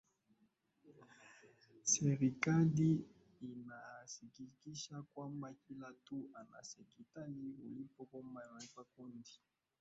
Serikali inahakikisha kwamba kila mtu anayestahili kulipa kodi analipa kodi